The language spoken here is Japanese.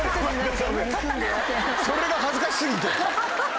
それが恥ずかし過ぎて。